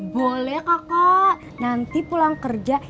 boleh kakak nanti pulang kerja